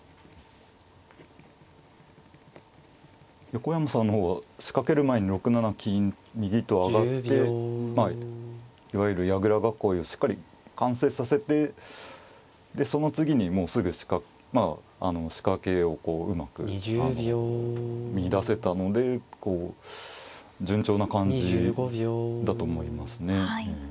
横山さんの方は仕掛ける前に６七金右と上がっていわゆる矢倉囲いをしっかり完成させてでその次にもうすぐ仕掛けをこううまく見いだせたので順調な感じだと思いますね。